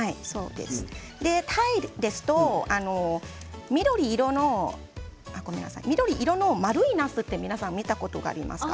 タイですと緑色の丸いなすって見たことありますか。